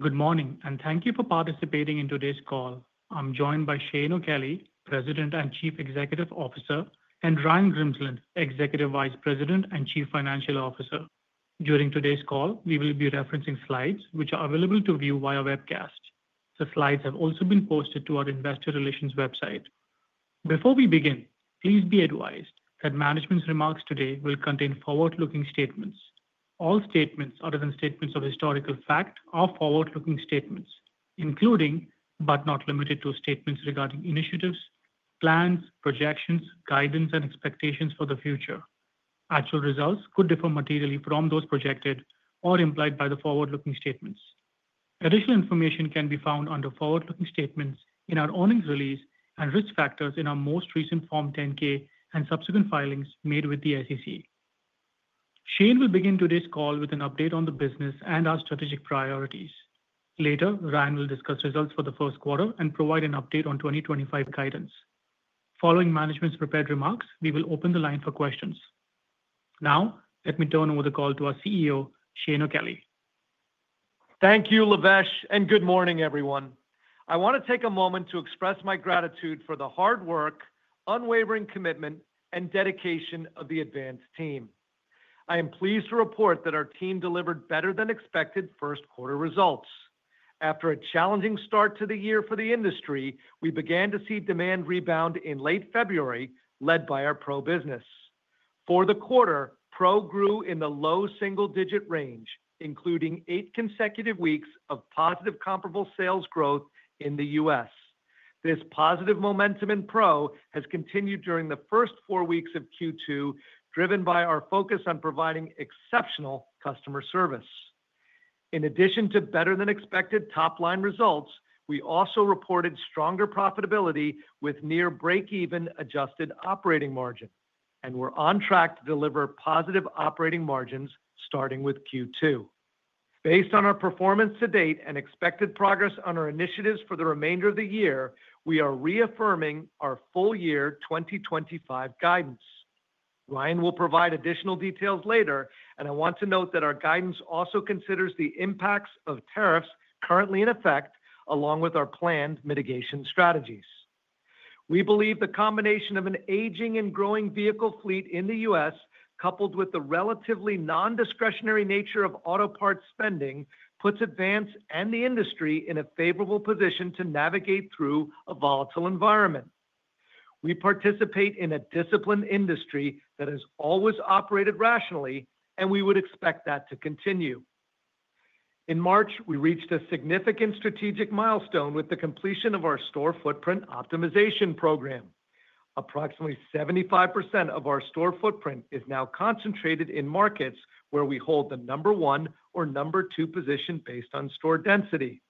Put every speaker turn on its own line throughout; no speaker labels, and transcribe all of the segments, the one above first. Good morning, and thank you for participating in today's call. I'm joined by Shane O'Kelly, President and Chief Executive Officer, and Ryan Grimsland, Executive Vice President and Chief Financial Officer. During today's call, we will be referencing slides which are available to view via webcast. The slides have also been posted to our Investor Relations website. Before we begin, please be advised that management's remarks today will contain forward-looking statements. All statements other than statements of historical fact are forward-looking statements, including, but not limited to, statements regarding initiatives, plans, projections, guidance, and expectations for the future. Actual results could differ materially from those projected or implied by the forward-looking statements. Additional information can be found under forward-looking statements in our earnings release and risk factors in our most recent Form 10-K and subsequent filings made with the SEC. Shane will begin today's call with an update on the business and our strategic priorities. Later, Ryan will discuss results for the first quarter and provide an update on 2025 guidance. Following management's prepared remarks, we will open the line for questions. Now, let me turn over the call to our CEO, Shane O'Kelley.
Thank you, Lavesh, and good morning, everyone. I want to take a moment to express my gratitude for the hard work, unwavering commitment, and dedication of the Advance team. I am pleased to report that our team delivered better-than-expected first-quarter results. After a challenging start to the year for the industry, we began to see demand rebound in late February, led by our Pro business. For the quarter, Pro grew in the low single-digit range, including eight consecutive weeks of positive comparable sales growth in the U.S. This positive momentum in Pro has continued during the first four weeks of Q2, driven by our focus on providing exceptional customer service. In addition to better-than-expected top-line results, we also reported stronger profitability with near-break-even adjusted operating margin, and we're on track to deliver positive operating margins starting with Q2. Based on our performance to date and expected progress on our initiatives for the remainder of the year, we are reaffirming our full-year 2025 guidance. Ryan will provide additional details later, and I want to note that our guidance also considers the impacts of tariffs currently in effect, along with our planned mitigation strategies. We believe the combination of an aging and growing vehicle fleet in the U.S., coupled with the relatively non-discretionary nature of auto parts spending, puts Advance and the industry in a favorable position to navigate through a volatile environment. We participate in a disciplined industry that has always operated rationally, and we would expect that to continue. In March, we reached a significant strategic milestone with the completion of our store footprint optimization program. Approximately 75% of our store footprint is now concentrated in markets where we hold the number one or number two position based on store density.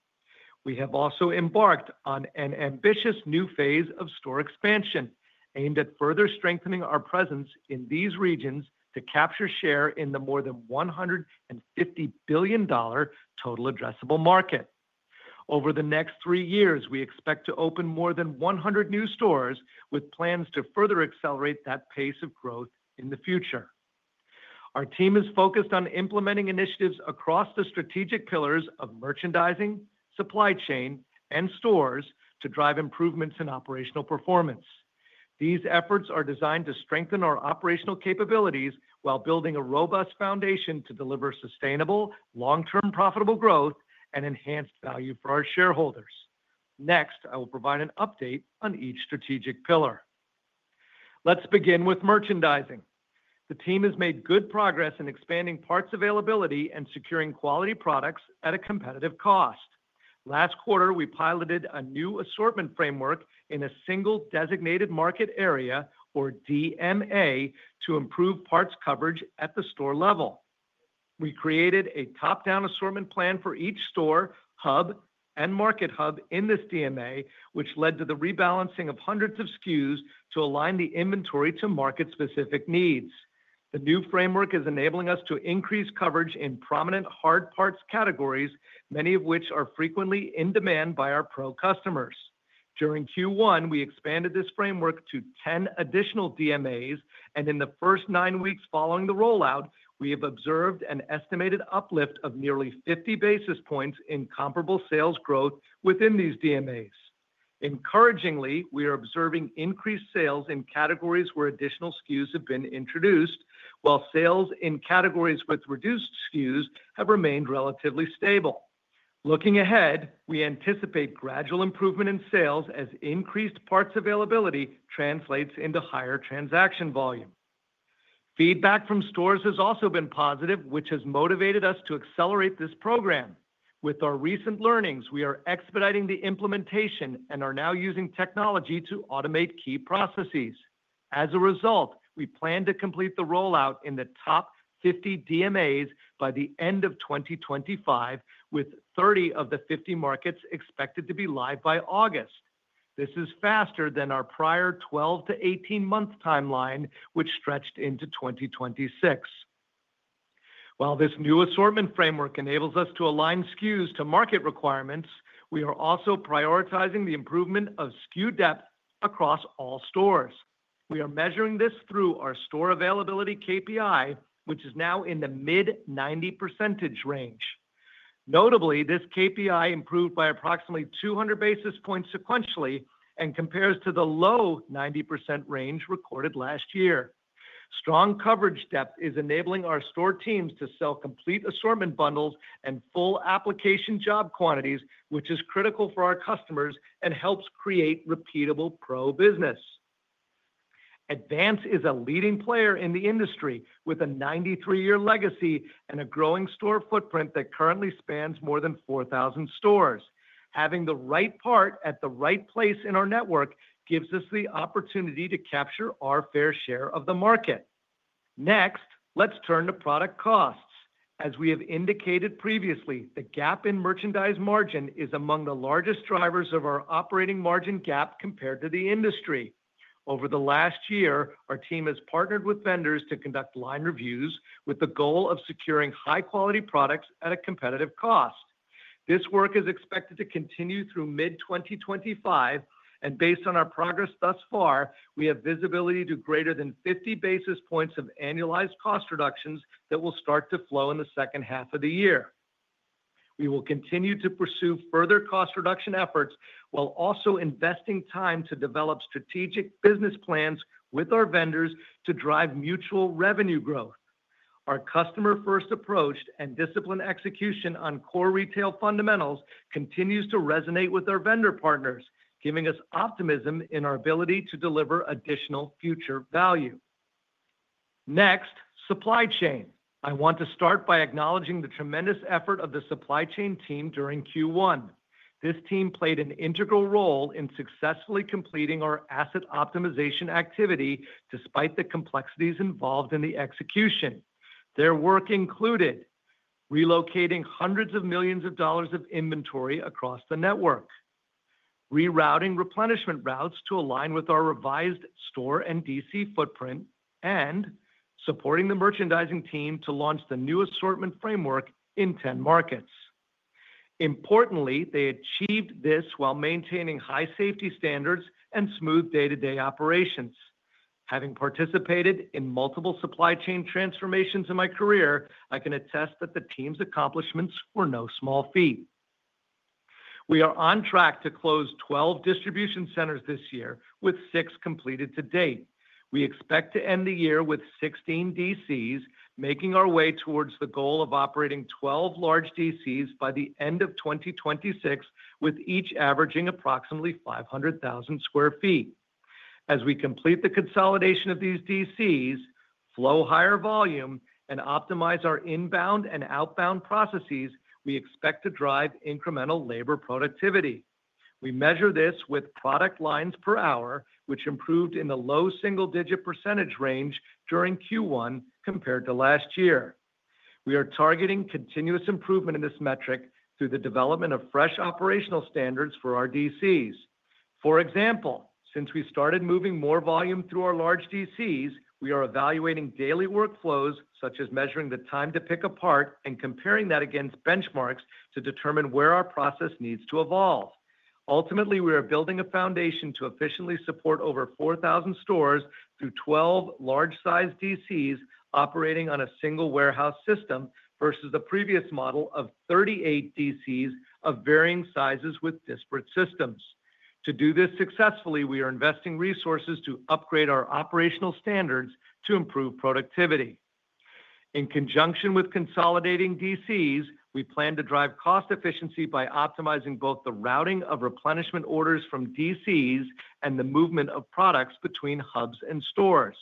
We have also embarked on an ambitious new phase of store expansion aimed at further strengthening our presence in these regions to capture share in the more than $150 billion total addressable market. Over the next three years, we expect to open more than 100 new stores, with plans to further accelerate that pace of growth in the future. Our team is focused on implementing initiatives across the strategic pillars of merchandising, supply chain, and stores to drive improvements in operational performance. These efforts are designed to strengthen our operational capabilities while building a robust foundation to deliver sustainable, long-term profitable growth and enhanced value for our shareholders. Next, I will provide an update on each strategic pillar. Let's begin with merchandising. The team has made good progress in expanding parts availability and securing quality products at a competitive cost. Last quarter, we piloted a new assortment framework in a single designated market area, or DMA, to improve parts coverage at the store level. We created a top-down assortment plan for each store, hub, and market hub in this DMA, which led to the rebalancing of hundreds of SKUs to align the inventory to market-specific needs. The new framework is enabling us to increase coverage in prominent hard parts categories, many of which are frequently in demand by our Pro customers. During Q1, we expanded this framework to 10 additional DMAs, and in the first nine weeks following the rollout, we have observed an estimated uplift of nearly 50 basis points in comparable sales growth within these DMAs. Encouragingly, we are observing increased sales in categories where additional SKUs have been introduced, while sales in categories with reduced SKUs have remained relatively stable. Looking ahead, we anticipate gradual improvement in sales as increased parts availability translates into higher transaction volume. Feedback from stores has also been positive, which has motivated us to accelerate this program. With our recent learnings, we are expediting the implementation and are now using technology to automate key processes. As a result, we plan to complete the rollout in the top 50 DMAs by the end of 2025, with 30 of the 50 markets expected to be live by August. This is faster than our prior 12-18 month timeline, which stretched into 2026. While this new assortment framework enables us to align SKUs to market requirements, we are also prioritizing the improvement of SKU depth across all stores. We are measuring this through our store availability KPI, which is now in the mid-90% range. Notably, this KPI improved by approximately 200 basis points sequentially and compares to the low 90% range recorded last year. Strong coverage depth is enabling our store teams to sell complete assortment bundles and full application job quantities, which is critical for our customers and helps create repeatable Pro business. Advance is a leading player in the industry with a 93-year legacy and a growing store footprint that currently spans more than 4,000 stores. Having the right part at the right place in our network gives us the opportunity to capture our fair share of the market. Next, let's turn to product costs. As we have indicated previously, the gap in merchandise margin is among the largest drivers of our operating margin gap compared to the industry. Over the last year, our team has partnered with vendors to conduct line reviews with the goal of securing high-quality products at a competitive cost. This work is expected to continue through mid-2025, and based on our progress thus far, we have visibility to greater than 50 basis points of annualized cost reductions that will start to flow in the second half of the year. We will continue to pursue further cost reduction efforts while also investing time to develop strategic business plans with our vendors to drive mutual revenue growth. Our customer-first approach and discipline execution on core retail fundamentals continues to resonate with our vendor partners, giving us optimism in our ability to deliver additional future value. Next, supply chain. I want to start by acknowledging the tremendous effort of the supply chain team during Q1. This team played an integral role in successfully completing our asset optimization activity despite the complexities involved in the execution. Their work included relocating hundreds of millions of dollars of inventory across the network, rerouting replenishment routes to align with our revised store and DC footprint, and supporting the merchandising team to launch the new assortment framework in 10 markets. Importantly, they achieved this while maintaining high safety standards and smooth day-to-day operations. Having participated in multiple supply chain transformations in my career, I can attest that the team's accomplishments were no small feat. We are on track to close 12 distribution centers this year, with six completed to date. We expect to end the year with 16 DCs, making our way towards the goal of operating 12 large DCs by the end of 2026, with each averaging approximately 500,000 sq ft. As we complete the consolidation of these DCs, flow higher volume, and optimize our inbound and outbound processes, we expect to drive incremental labor productivity. We measure this with product lines per hour, which improved in the low single-digit % range during Q1 compared to last year. We are targeting continuous improvement in this metric through the development of fresh operational standards for our DCs. For example, since we started moving more volume through our large DCs, we are evaluating daily workflows, such as measuring the time to pick a part and comparing that against benchmarks to determine where our process needs to evolve. Ultimately, we are building a foundation to efficiently support over 4,000 stores through 12 large-sized DCs operating on a single warehouse system versus the previous model of 38 DCs of varying sizes with disparate systems. To do this successfully, we are investing resources to upgrade our operational standards to improve productivity. In conjunction with consolidating DCs, we plan to drive cost efficiency by optimizing both the routing of replenishment orders from DCs and the movement of products between hubs and stores.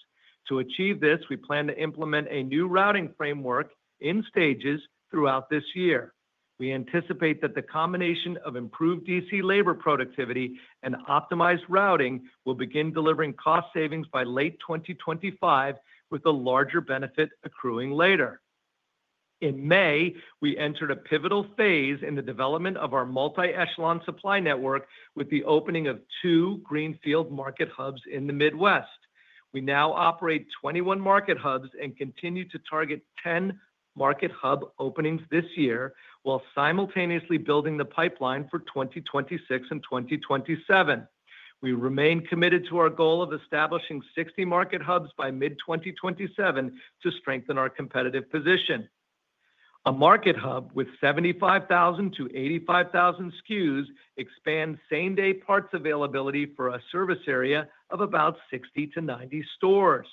To achieve this, we plan to implement a new routing framework in stages throughout this year. We anticipate that the combination of improved DC labor productivity and optimized routing will begin delivering cost savings by late 2025, with a larger benefit accruing later. In May, we entered a pivotal phase in the development of our multi-echelon supply network with the opening of two greenfield market hubs in the Midwest. We now operate 21 market hubs and continue to target 10 market hub openings this year, while simultaneously building the pipeline for 2026 and 2027. We remain committed to our goal of establishing 60 market hubs by mid-2027 to strengthen our competitive position. A market hub with 75,000-85,000 SKUs expands same-day parts availability for a service area of about 60-90 stores.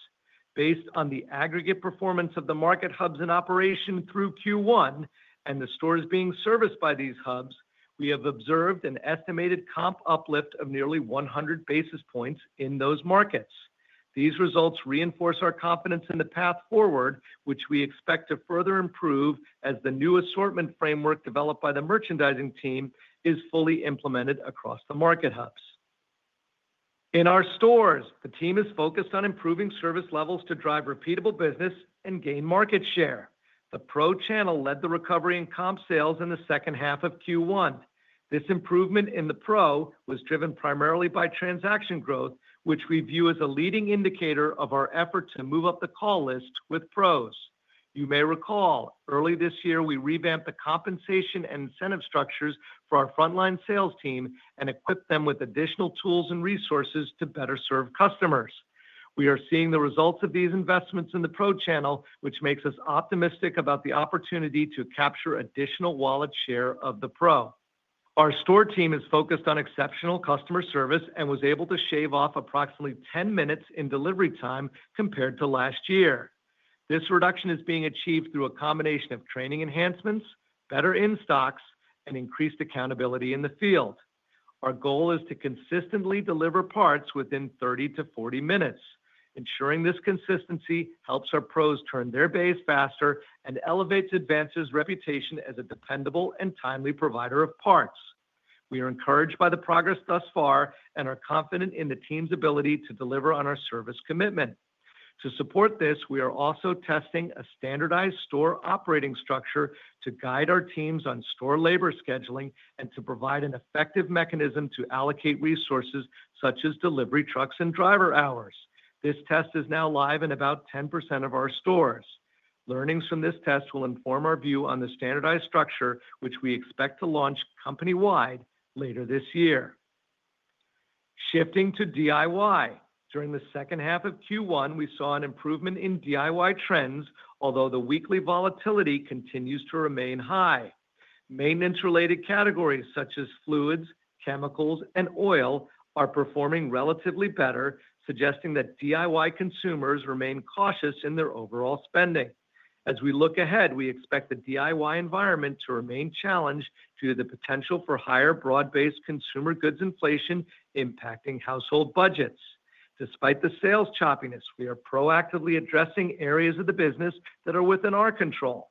Based on the aggregate performance of the market hubs in operation through Q1 and the stores being serviced by these hubs, we have observed an estimated comp uplift of nearly 100 basis points in those markets. These results reinforce our confidence in the path forward, which we expect to further improve as the new assortment framework developed by the merchandising team is fully implemented across the market hubs. In our stores, the team is focused on improving service levels to drive repeatable business and gain market share. The Pro channel led the recovery in comp sales in the second half of Q1. This improvement in the Pro was driven primarily by transaction growth, which we view as a leading indicator of our effort to move up the call list with Pros. You may recall, early this year, we revamped the compensation and incentive structures for our frontline sales team and equipped them with additional tools and resources to better serve customers. We are seeing the results of these investments in the Pro channel, which makes us optimistic about the opportunity to capture additional wallet share of the Pro. Our store team is focused on exceptional customer service and was able to shave off approximately 10 minutes in delivery time compared to last year. This reduction is being achieved through a combination of training enhancements, better in-stocks, and increased accountability in the field. Our goal is to consistently deliver parts within 30-40 minutes. Ensuring this consistency helps our Pros turn their base faster and elevates Advance's reputation as a dependable and timely provider of parts. We are encouraged by the progress thus far and are confident in the team's ability to deliver on our service commitment. To support this, we are also testing a standardized store operating structure to guide our teams on store labor scheduling and to provide an effective mechanism to allocate resources such as delivery trucks and driver hours. This test is now live in about 10% of our stores. Learnings from this test will inform our view on the standardized structure, which we expect to launch company-wide later this year. Shifting to DIY, during the second half of Q1, we saw an improvement in DIY trends, although the weekly volatility continues to remain high. Maintenance-related categories such as fluids, chemicals, and oil are performing relatively better, suggesting that DIY consumers remain cautious in their overall spending. As we look ahead, we expect the DIY environment to remain challenged due to the potential for higher broad-based consumer goods inflation impacting household budgets. Despite the sales choppiness, we are proactively addressing areas of the business that are within our control.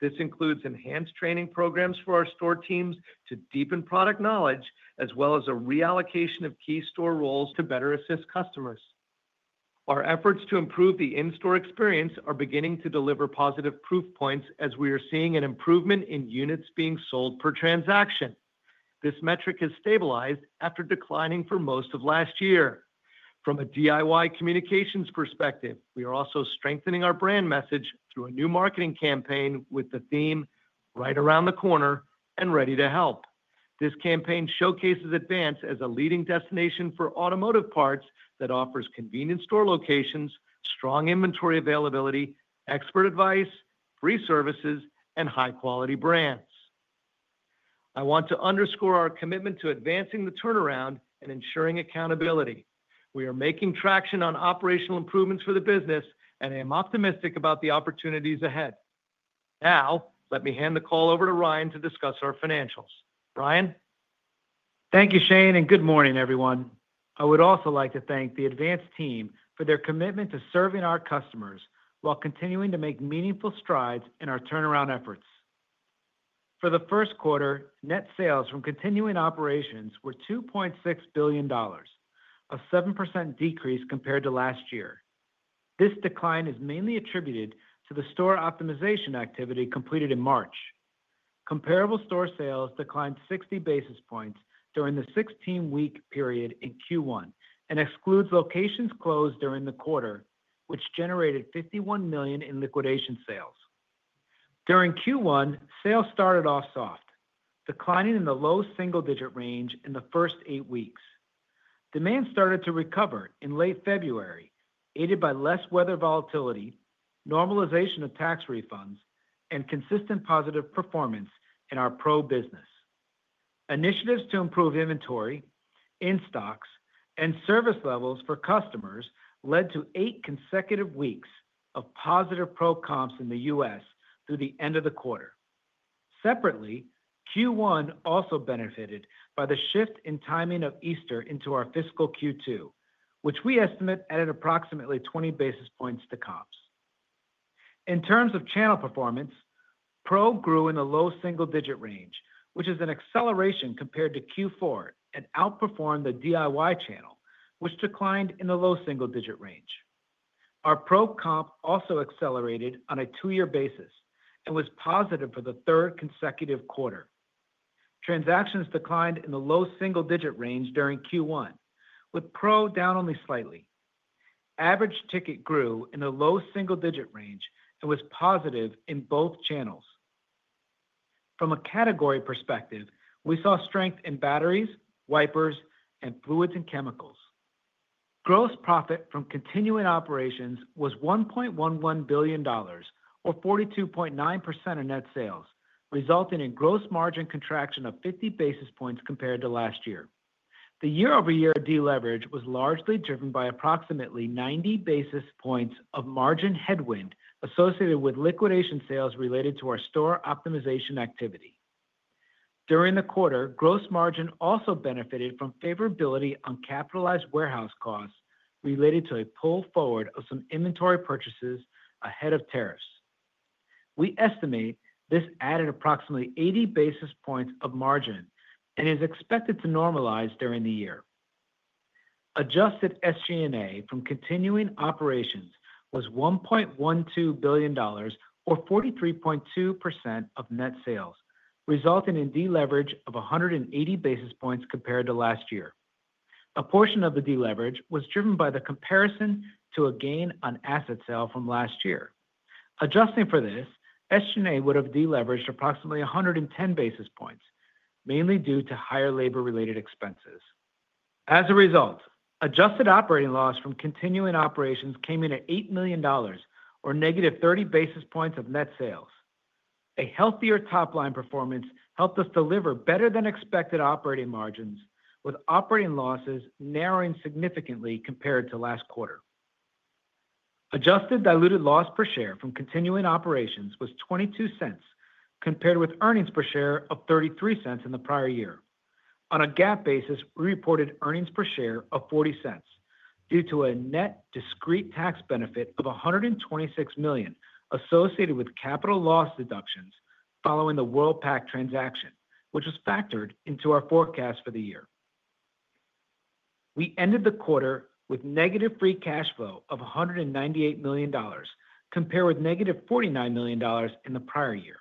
This includes enhanced training programs for our store teams to deepen product knowledge, as well as a reallocation of key store roles to better assist customers. Our efforts to improve the in-store experience are beginning to deliver positive proof points as we are seeing an improvement in units being sold per transaction. This metric has stabilized after declining for most of last year. From a DIY communications perspective, we are also strengthening our brand message through a new marketing campaign with the theme "Right Around the Corner and Ready to Help." This campaign showcases Advance as a leading destination for automotive parts that offers convenient store locations, strong inventory availability, expert advice, free services, and high-quality brands. I want to underscore our commitment to advancing the turnaround and ensuring accountability. We are making traction on operational improvements for the business and am optimistic about the opportunities ahead. Now, let me hand the call over to Ryan to discuss our financials. Ryan.
Thank you, Shane, and good morning, everyone. I would also like to thank the Advance team for their commitment to serving our customers while continuing to make meaningful strides in our turnaround efforts. For the first quarter, net sales from continuing operations were $2.6 billion, a 7% decrease compared to last year. This decline is mainly attributed to the store optimization activity completed in March. Comparable store sales declined 60 basis points during the 16-week period in Q1 and excludes locations closed during the quarter, which generated $51 million in liquidation sales. During Q1, sales started off soft, declining in the low single-digit range in the first eight weeks. Demand started to recover in late February, aided by less weather volatility, normalization of tax refunds, and consistent positive performance in our Pro business. Initiatives to improve inventory, in-stocks, and service levels for customers led to eight consecutive weeks of positive Pro comps in the U.S. through the end of the quarter. Separately, Q1 also benefited by the shift in timing of Easter into our fiscal Q2, which we estimate added approximately 20 basis points to comps. In terms of channel performance, Pro grew in the low single-digit range, which is an acceleration compared to Q4, and outperformed the DIY channel, which declined in the low single-digit range. Our Pro comp also accelerated on a two-year basis and was positive for the third consecutive quarter. Transactions declined in the low single-digit range during Q1, with Pro down only slightly. Average ticket grew in the low single-digit range and was positive in both channels. From a category perspective, we saw strength in batteries, wipers, and fluids and chemicals. Gross profit from continuing operations was $1.11 billion, or 42.9% of net sales, resulting in gross margin contraction of 50 basis points compared to last year. The year-over-year deleverage was largely driven by approximately 90 basis points of margin headwind associated with liquidation sales related to our store optimization activity. During the quarter, gross margin also benefited from favorability on capitalized warehouse costs related to a pull forward of some inventory purchases ahead of tariffs. We estimate this added approximately 80 basis points of margin and is expected to normalize during the year. Adjusted SG&A from continuing operations was $1.12 billion, or 43.2% of net sales, resulting in deleverage of 180 basis points compared to last year. A portion of the deleverage was driven by the comparison to a gain on asset sale from last year. Adjusting for this, SG&A would have deleveraged approximately 110 basis points, mainly due to higher labor-related expenses. As a result, adjusted operating loss from continuing operations came in at $8 million, or negative 30 basis points of net sales. A healthier top-line performance helped us deliver better-than-expected operating margins, with operating losses narrowing significantly compared to last quarter. Adjusted diluted loss per share from continuing operations was $0.22, compared with earnings per share of $0.33 in the prior year. On a GAAP basis, we reported earnings per share of $0.40 due to a net discrete tax benefit of $126 million associated with capital loss deductions following the WORLDPAC transaction, which was factored into our forecast for the year. We ended the quarter with negative free cash flow of $198 million, compared with negative $49 million in the prior year.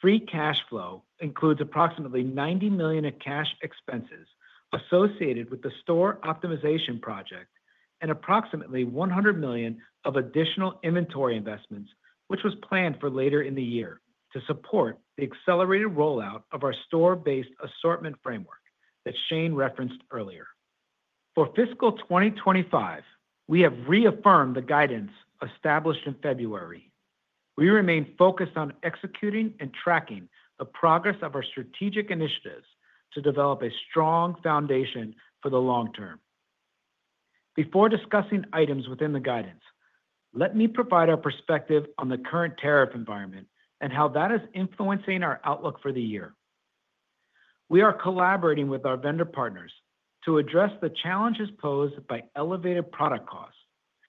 Free cash flow includes approximately $90 million of cash expenses associated with the store optimization project and approximately $100 million of additional inventory investments, which was planned for later in the year to support the accelerated rollout of our store-based assortment framework that Shane referenced earlier. For fiscal 2025, we have reaffirmed the guidance established in February. We remain focused on executing and tracking the progress of our strategic initiatives to develop a strong foundation for the long term. Before discussing items within the guidance, let me provide our perspective on the current tariff environment and how that is influencing our outlook for the year. We are collaborating with our vendor partners to address the challenges posed by elevated product costs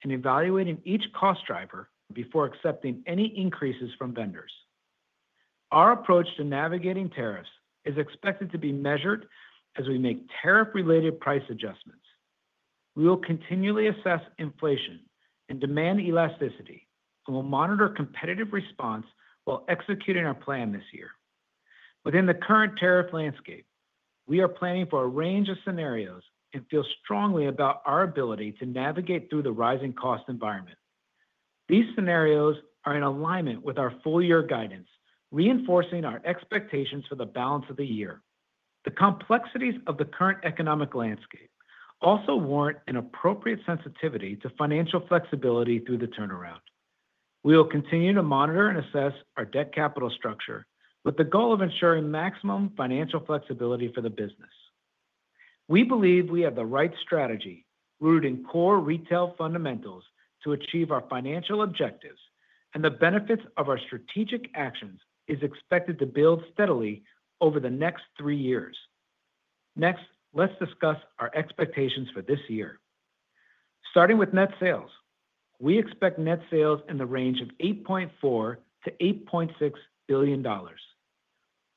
and evaluating each cost driver before accepting any increases from vendors. Our approach to navigating tariffs is expected to be measured as we make tariff-related price adjustments. We will continually assess inflation and demand elasticity and will monitor competitive response while executing our plan this year. Within the current tariff landscape, we are planning for a range of scenarios and feel strongly about our ability to navigate through the rising cost environment. These scenarios are in alignment with our full-year guidance, reinforcing our expectations for the balance of the year. The complexities of the current economic landscape also warrant an appropriate sensitivity to financial flexibility through the turnaround. We will continue to monitor and assess our debt capital structure with the goal of ensuring maximum financial flexibility for the business. We believe we have the right strategy rooted in core retail fundamentals to achieve our financial objectives, and the benefits of our strategic actions are expected to build steadily over the next three years. Next, let's discuss our expectations for this year. Starting with net sales, we expect net sales in the range of $8.4 billion-$8.6 billion.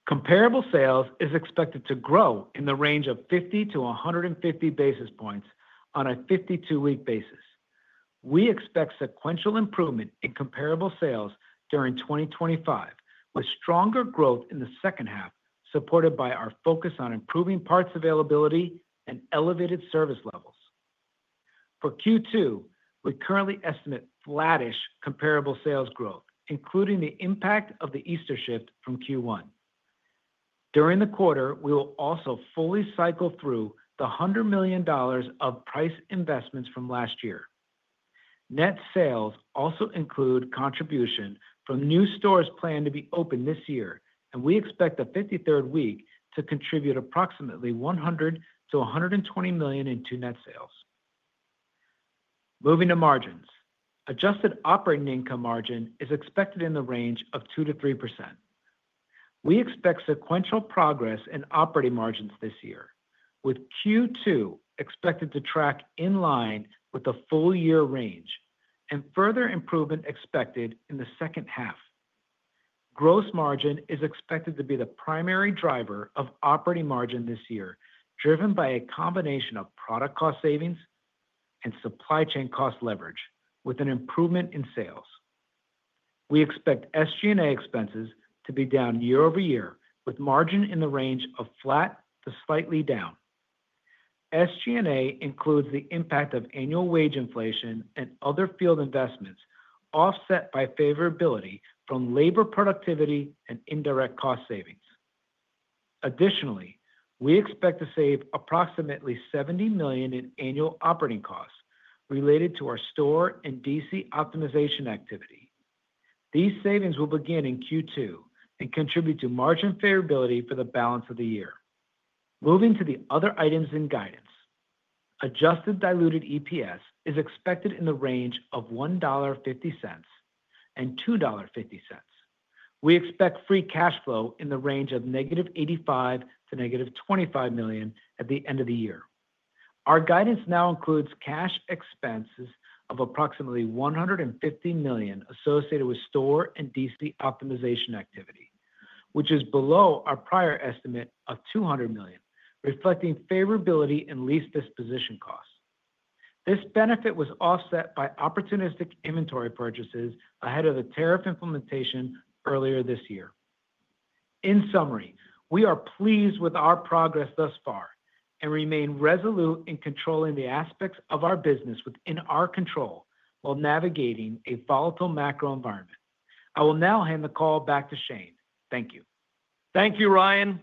Comparable sales are expected to grow in the range of 50-150 basis points on a 52-week basis. We expect sequential improvement in comparable sales during 2025, with stronger growth in the second half supported by our focus on improving parts availability and elevated service levels. For Q2, we currently estimate flattish comparable sales growth, including the impact of the Easter shift from Q1. During the quarter, we will also fully cycle through the $100 million of price investments from last year. Net sales also include contribution from new stores planned to be opened this year, and we expect the 53rd week to contribute approximately $100-$120 million into net sales. Moving to margins, adjusted operating income margin is expected in the range of 2-3%. We expect sequential progress in operating margins this year, with Q2 expected to track in line with the full-year range and further improvement expected in the second half. Gross margin is expected to be the primary driver of operating margin this year, driven by a combination of product cost savings and supply chain cost leverage, with an improvement in sales. We expect SG&A expenses to be down year-over-year, with margin in the range of flat to slightly down. SG&A includes the impact of annual wage inflation and other field investments offset by favorability from labor productivity and indirect cost savings. Additionally, we expect to save approximately $70 million in annual operating costs related to our store and DC optimization activity. These savings will begin in Q2 and contribute to margin favorability for the balance of the year. Moving to the other items in guidance, adjusted diluted EPS is expected in the range of $1.50-$2.50. We expect free cash flow in the range of negative $85 million to negative $25 million at the end of the year. Our guidance now includes cash expenses of approximately $150 million associated with store and DC optimization activity, which is below our prior estimate of $200 million, reflecting favorability in lease disposition costs. This benefit was offset by opportunistic inventory purchases ahead of the tariff implementation earlier this year. In summary, we are pleased with our progress thus far and remain resolute in controlling the aspects of our business within our control while navigating a volatile macro environment. I will now hand the call back to Shane. Thank you.
Thank you, Ryan.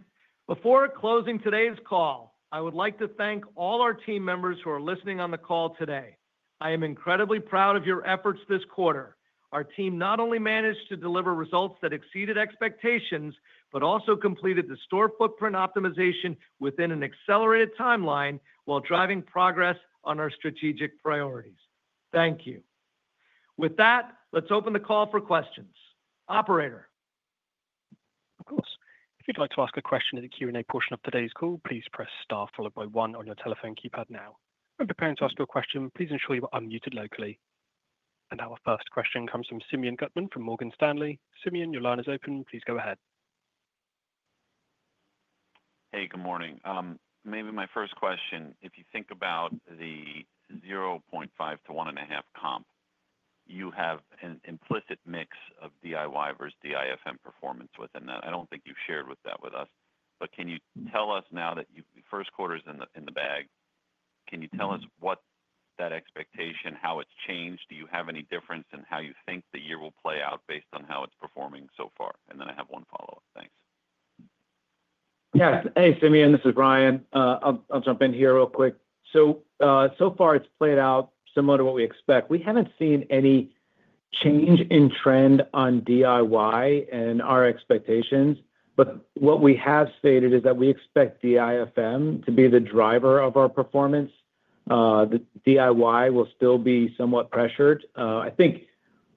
Before closing today's call, I would like to thank all our team members who are listening on the call today. I am incredibly proud of your efforts this quarter. Our team not only managed to deliver results that exceeded expectations, but also completed the store footprint optimization within an accelerated timeline while driving progress on our strategic priorities. Thank you. With that, let's open the call for questions. Operator.
Of course. If you'd like to ask a question in the Q&A portion of today's call, please press Star followed by One on your telephone keypad now. If you're preparing to ask your question, please ensure you are unmuted locally. Our first question comes from Simeon Gutman from Morgan Stanley. Simeon, your line is open. Please go ahead.
Hey, good morning. Maybe my first question, if you think about the 0.5-1.5% comp, you have an implicit mix of DIY versus DIFM performance within that. I don't think you've shared that with us. Can you tell us now that the first quarter is in the bag, can you tell us what that expectation, how it's changed? Do you have any difference in how you think the year will play out based on how it's performing so far? I have one follow-up. Thanks.
Yeah. Hey, Simeon, this is Ryan. I'll jump in here real quick. So far, it's played out similar to what we expect. We haven't seen any change in trend on DIY and our expectations. What we have stated is that we expect DIFM to be the driver of our performance. DIY will still be somewhat pressured. I think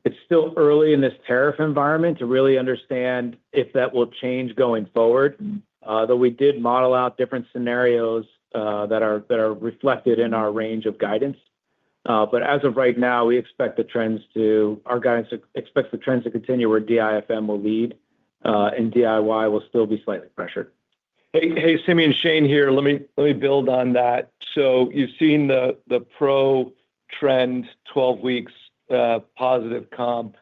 it's still early in this tariff environment to really understand if that will change going forward, though we did model out different scenarios that are reflected in our range of guidance. As of right now, we expect the trends to—our guidance expects the trends to continue where DIFM will lead, and DIY will still be slightly pressured.
Hey, Simeon, Shane here. Let me build on that. You have seen the Pro trend, 12 weeks, positive comp.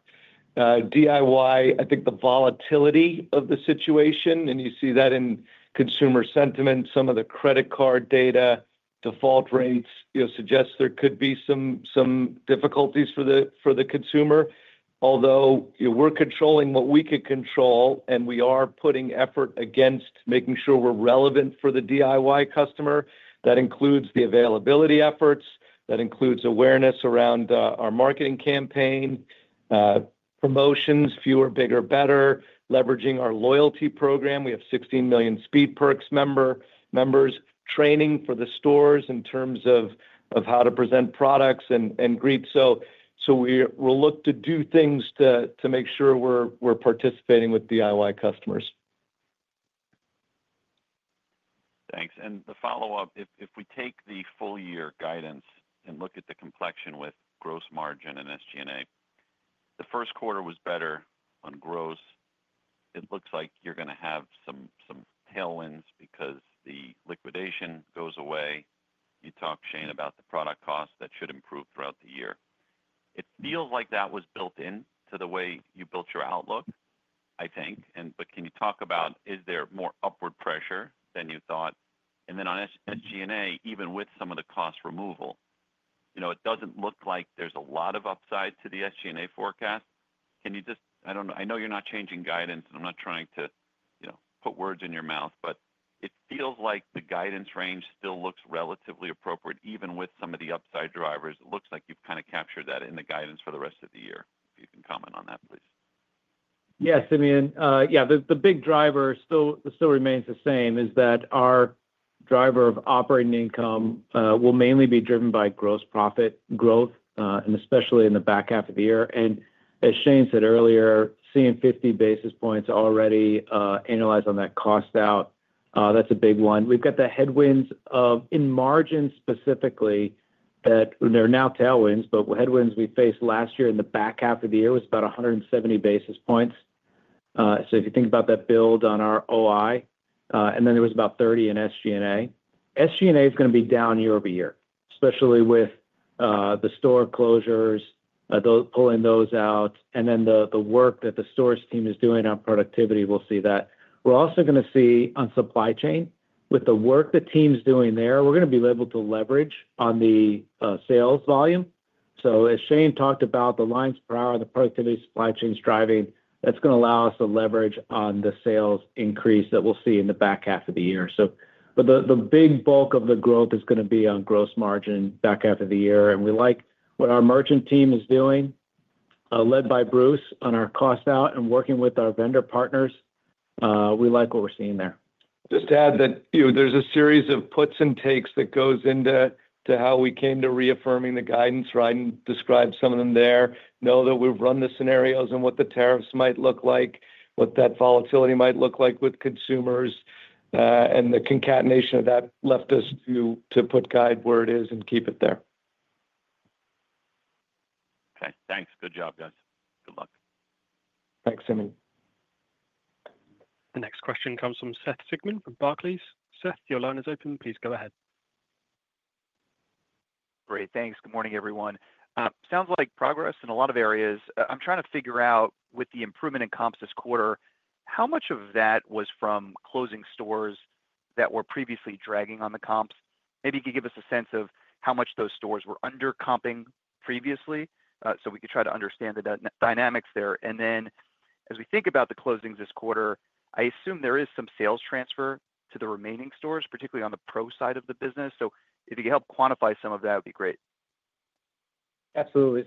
DIY, I think the volatility of the situation, and you see that in consumer sentiment, some of the credit card data, default rates, suggests there could be some difficulties for the consumer. Although we are controlling what we can control, and we are putting effort against making sure we are relevant for the DIY customer. That includes the availability efforts. That includes awareness around our marketing campaign, promotions, fewer, bigger, better, leveraging our loyalty program. We have 16 million Speed Perks members, training for the stores in terms of how to present products and greet. We will look to do things to make sure we are participating with DIY customers.
Thanks. The follow-up, if we take the full-year guidance and look at the complexion with gross margin and SG&A, the first quarter was better on gross. It looks like you're going to have some tailwinds because the liquidation goes away. You talked, Shane, about the product costs that should improve throughout the year. It feels like that was built into the way you built your outlook, I think. Can you talk about, is there more upward pressure than you thought? On SG&A, even with some of the cost removal, it does not look like there is a lot of upside to the SG&A forecast. Can you just—I do not know. I know you are not changing guidance, and I am not trying to put words in your mouth, but it feels like the guidance range still looks relatively appropriate, even with some of the upside drivers. It looks like you have kind of captured that in the guidance for the rest of the year. If you can comment on that, please.
Yes, Simeon. Yeah, the big driver still remains the same, is that our driver of operating income will mainly be driven by gross profit growth, and especially in the back half of the year. As Shane said earlier, seeing 50 basis points already analyzed on that cost out, that's a big one. We've got the headwinds in margin specifically that are now tailwinds, but headwinds we faced last year in the back half of the year was about 170 basis points. If you think about that build on our OI, and then there was about 30 in SG&A. SG&A is going to be down year over year, especially with the store closures, pulling those out, and then the work that the source team is doing on productivity, we'll see that. We're also going to see on supply chain. With the work the team's doing there, we're going to be able to leverage on the sales volume. As Shane talked about, the lines per hour, the productivity supply chain's driving, that's going to allow us to leverage on the sales increase that we'll see in the back half of the year. The big bulk of the growth is going to be on gross margin back half of the year. We like what our merchant team is doing, led by Bruce, on our cost out and working with our vendor partners. We like what we're seeing there.
Just to add that there's a series of puts and takes that goes into how we came to reaffirming the guidance. Ryan described some of them there. Know that we've run the scenarios and what the tariffs might look like, what that volatility might look like with consumers, and the concatenation of that left us to put guide where it is and keep it there.
Okay. Thanks. Good job, guys. Good luck.
Thanks, Simeon.
The next question comes from Seth Sigman from Barclays. Seth, your line is open. Please go ahead.
Great. Thanks. Good morning, everyone. Sounds like progress in a lot of areas. I'm trying to figure out with the improvement in comps this quarter, how much of that was from closing stores that were previously dragging on the comps? Maybe you could give us a sense of how much those stores were undercomping previously so we could try to understand the dynamics there. As we think about the closings this quarter, I assume there is some sales transfer to the remaining stores, particularly on the pro side of the business. If you could help quantify some of that, it would be great.
Absolutely.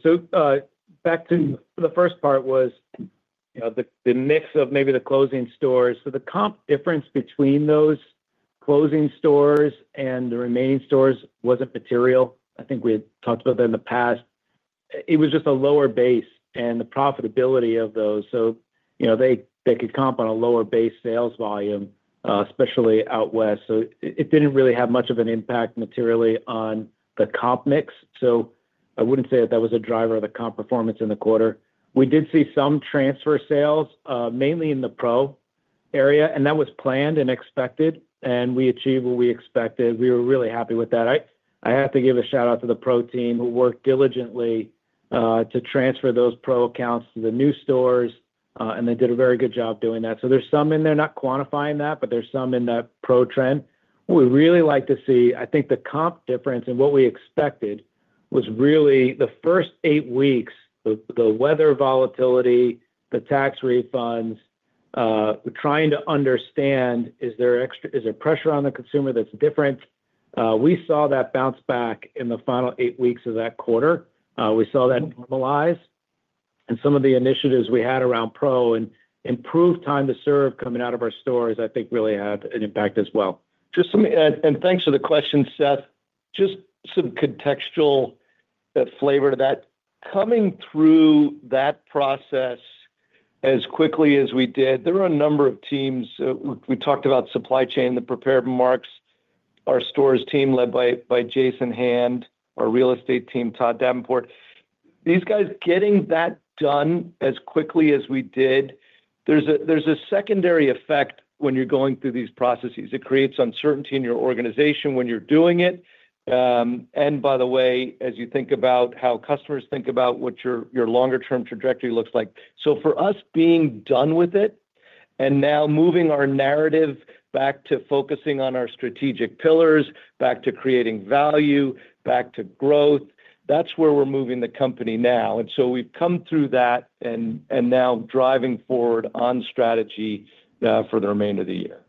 Back to the first part, the mix of maybe the closing stores. The comp difference between those closing stores and the remaining stores was not material. I think we had talked about that in the past. It was just a lower base and the profitability of those. They could comp on a lower base sales volume, especially out west. It did not really have much of an impact materially on the comp mix. I would not say that was a driver of the comp performance in the quarter. We did see some transfer sales, mainly in the pro area, and that was planned and expected, and we achieved what we expected. We were really happy with that. I have to give a shout out to the pro team who worked diligently to transfer those pro accounts to the new stores, and they did a very good job doing that. There is some in there, not quantifying that, but there is some in that pro trend. We really like to see, I think the comp difference and what we expected was really the first eight weeks, the weather volatility, the tax refunds, trying to understand, is there pressure on the consumer that's different? We saw that bounce back in the final eight weeks of that quarter. We saw that normalize. Some of the initiatives we had around pro and improved time to serve coming out of our stores, I think really had an impact as well.
Just some—and thanks for the question, Seth. Just some contextual flavor to that. Coming through that process as quickly as we did, there were a number of teams. We talked about supply chain, the prepared remarks, our stores team led by Jason Hand, our real estate team, Todd Davenport. These guys getting that done as quickly as we did, there's a secondary effect when you're going through these processes. It creates uncertainty in your organization when you're doing it. By the way, as you think about how customers think about what your longer-term trajectory looks like. For us being done with it and now moving our narrative back to focusing on our strategic pillars, back to creating value, back to growth, that's where we're moving the company now. We've come through that and now driving forward on strategy for the remainder of the year.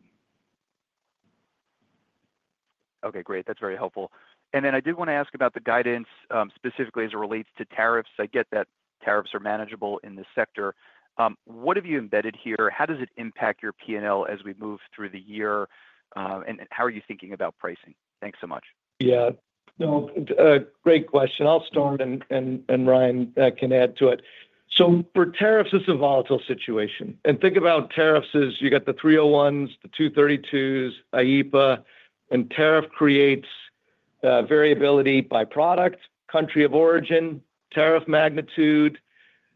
Okay, great. That's very helpful. I did want to ask about the guidance specifically as it relates to tariffs. I get that tariffs are manageable in this sector. What have you embedded here? How does it impact your P&L as we move through the year? How are you thinking about pricing? Thanks so much.
Yeah. No, great question. I'll start, and Ryan can add to it. For tariffs, it's a volatile situation. Think about tariffs as you got the 301s, the 232s, IEPA, and tariff creates variability by product, country of origin, tariff magnitude.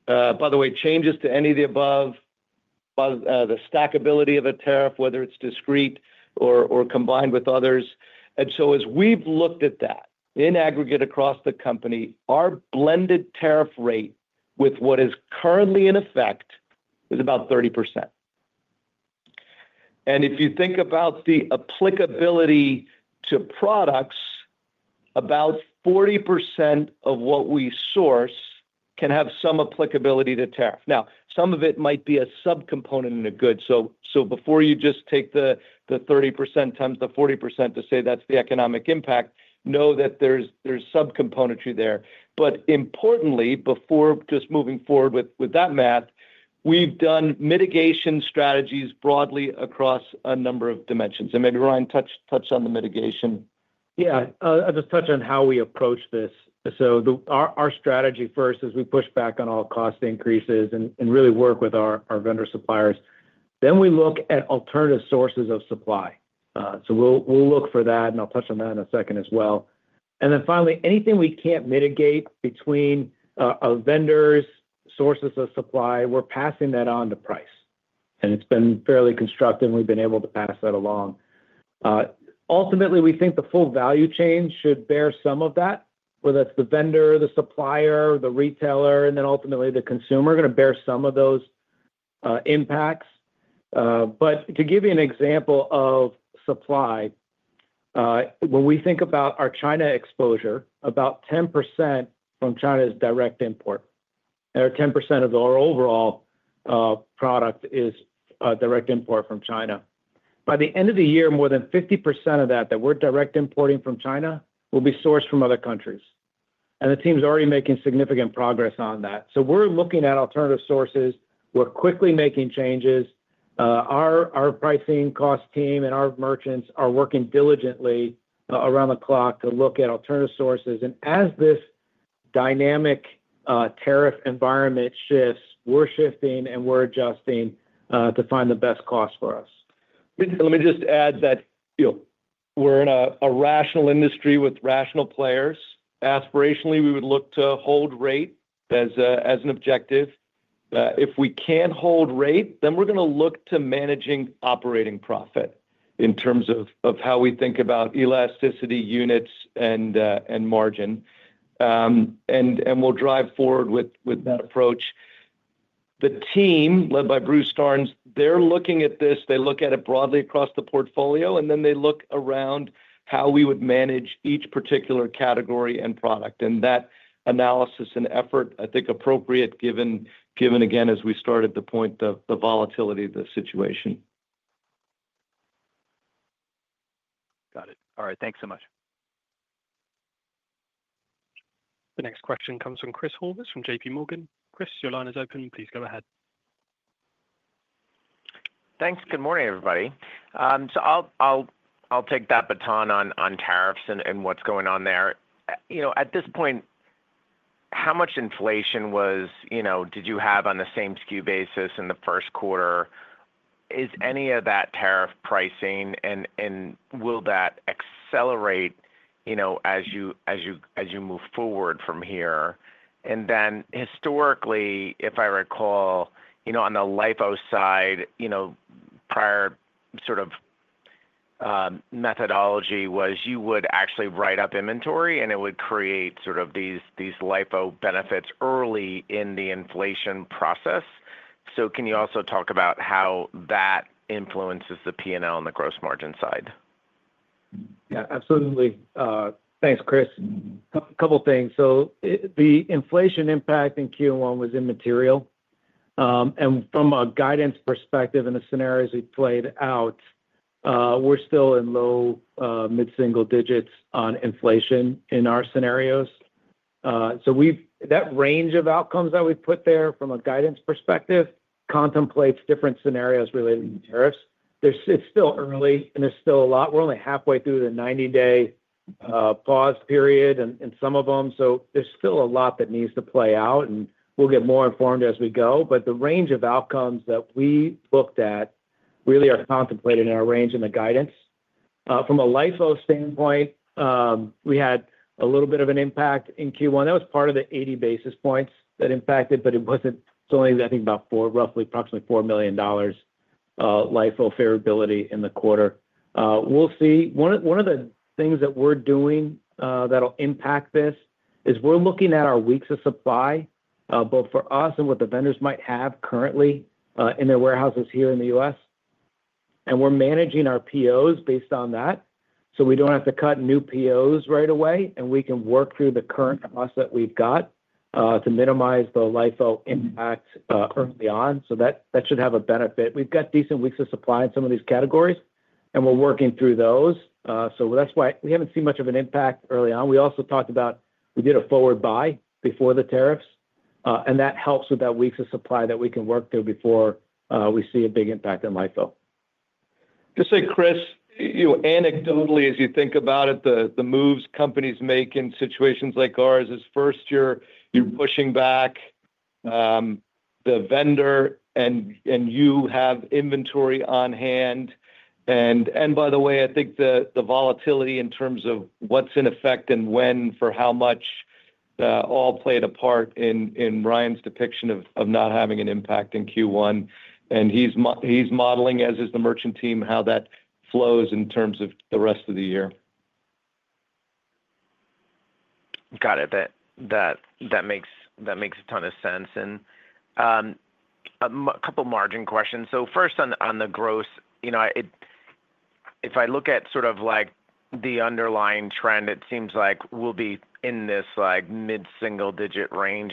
By the way, changes to any of the above, the stackability of a tariff, whether it's discrete or combined with others. As we've looked at that in aggregate across the company, our blended tariff rate with what is currently in effect is about 30%. If you think about the applicability to products, about 40% of what we source can have some applicability to tariff. Now, some of it might be a subcomponent in a good. Before you just take the 30% times the 40% to say that's the economic impact, know that there's subcomponentry there. Importantly, before just moving forward with that math, we've done mitigation strategies broadly across a number of dimensions. Maybe Ryan touched on the mitigation.
Yeah, I'll just touch on how we approach this. Our strategy first is we push back on all cost increases and really work with our vendor suppliers. Then we look at alternative sources of supply. We will look for that, and I'll touch on that in a second as well. Finally, anything we can't mitigate between our vendors, sources of supply, we're passing that on to price. It's been fairly constructive, and we've been able to pass that along. Ultimately, we think the full value chain should bear some of that, whether it's the vendor, the supplier, the retailer, and then ultimately the consumer are going to bear some of those impacts. To give you an example of supply, when we think about our China exposure, about 10% from China's direct import. There are 10% of our overall product is direct import from China. By the end of the year, more than 50% of that that we're direct importing from China will be sourced from other countries. The team's already making significant progress on that. We are looking at alternative sources. We are quickly making changes. Our pricing cost team and our merchants are working diligently around the clock to look at alternative sources. As this dynamic tariff environment shifts, we are shifting and we are adjusting to find the best cost for us.
Let me just add that we are in a rational industry with rational players. Aspirationally, we would look to hold rate as an objective. If we cannot hold rate, we are going to look to managing operating profit in terms of how we think about elasticity units and margin. We will drive forward with that approach. The team led by Bruce Starnes, they are looking at this. They look at it broadly across the portfolio, and then they look around how we would manage each particular category and product. That analysis and effort, I think appropriate given again, as we started the point, the volatility of the situation.
Got it. All right. Thanks so much.
The next question comes from Chris Horvers from JPMorgan. Chris, your line is open. Please go ahead.
Thanks. Good morning, everybody. I'll take that baton on tariffs and what's going on there. At this point, how much inflation did you have on the same SKU basis in the first quarter? Is any of that tariff pricing, and will that accelerate as you move forward from here? Historically, if I recall, on the LIFO side, prior sort of methodology was you would actually write up inventory, and it would create sort of these LIFO benefits early in the inflation process. Can you also talk about how that influences the P&L on the gross margin side?
Yeah, absolutely. Thanks, Chris. A couple of things. The inflation impact in Q1 was immaterial. From a guidance perspective and the scenarios we played out, we are still in low, mid-single digits on inflation in our scenarios. That range of outcomes that we put there from a guidance perspective contemplates different scenarios related to tariffs. It is still early, and there is still a lot. We are only halfway through the 90-day pause period in some of them. There is still a lot that needs to play out, and we will get more informed as we go. The range of outcomes that we looked at really are contemplated in our range and the guidance. From a LIFO standpoint, we had a little bit of an impact in Q1. That was part of the 80 basis points that impacted, but it was still, I think, about four, roughly approximately $4 million LIFO favorability in the quarter. We'll see. One of the things that we're doing that'll impact this is we're looking at our weeks of supply, both for us and what the vendors might have currently in their warehouses here in the U.S. We're managing our POs based on that. We do not have to cut new POs right away, and we can work through the current cost that we've got to minimize the LIFO impact early on. That should have a benefit. We've got decent weeks of supply in some of these categories, and we're working through those. That's why we haven't seen much of an impact early on. We also talked about we did a forward buy before the tariffs, and that helps with that weeks of supply that we can work through before we see a big impact in LIFO.
Just say, Chris, anecdotally, as you think about it, the moves companies make in situations like ours is first you're pushing back the vendor, and you have inventory on hand. By the way, I think the volatility in terms of what's in effect and when for how much all played a part in Ryan's depiction of not having an impact in Q1. He's modeling, as is the merchant team, how that flows in terms of the rest of the year.
Got it. That makes a ton of sense. A couple of margin questions. First on the gross, if I look at sort of the underlying trend, it seems like we'll be in this mid-40s range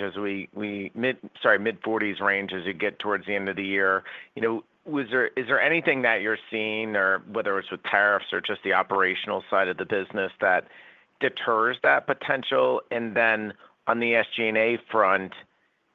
as you get towards the end of the year. Is there anything that you're seeing, whether it's with tariffs or just the operational side of the business, that deters that potential? On the SG&A front,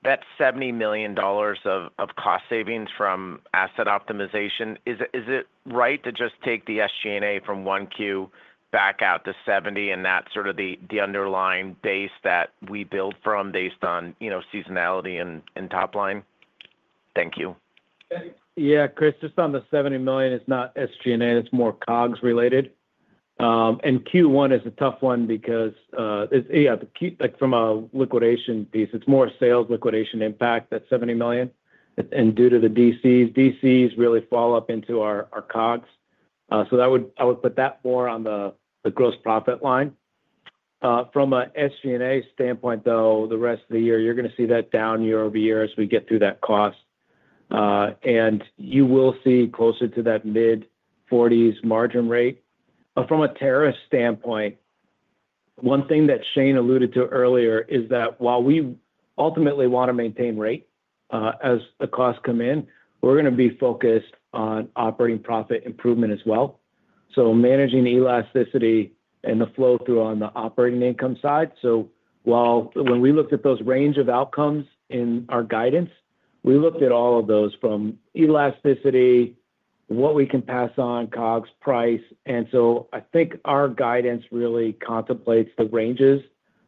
that $70 million of cost savings from asset optimization, is it right to just take the SG&A from one Q, back out the $70 million, and that's sort of the underlying base that we build from based on seasonality and top line? Thank you.
Yeah, Chris, just on the $70 million, it's not SG&A. It's more COGS related. Q1 is a tough one because, yeah, from a liquidation piece, it's more sales liquidation impact that $70 million. Due to the DCs, DCs really fall up into our COGS. I would put that more on the gross profit line. From an SG&A standpoint, though, the rest of the year, you're going to see that down year-over-year as we get through that cost. You will see closer to that mid-40% margin rate. From a tariff standpoint, one thing that Shane alluded to earlier is that while we ultimately want to maintain rate as the costs come in, we're going to be focused on operating profit improvement as well. Managing elasticity and the flow through on the operating income side. When we looked at those range of outcomes in our guidance, we looked at all of those from elasticity, what we can pass on, COGS, price. I think our guidance really contemplates the ranges